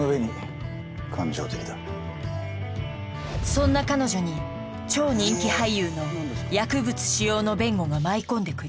そんな彼女に超人気俳優の薬物使用の弁護が舞い込んでくる。